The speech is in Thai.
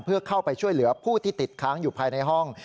เพื่อเข้าไปช่วยเหลือผู้ที่ติดค้างอยู่ภายในห้อง